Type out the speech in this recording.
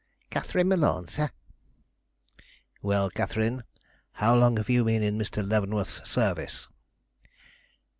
"Katherine Malone, sir." "Well, Katherine, how long have you been in Mr. Leavenworth's service?"